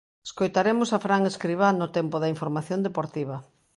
Escoitaremos a Fran Escribá no tempo da información deportiva.